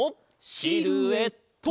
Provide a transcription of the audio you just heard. シルエット！